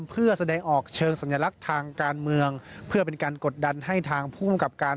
เพื่อแสดงออกเชิงสัญลักษณ์ทางการเมืองเพื่อเป็นการกดดันให้ทางผู้กำกับการ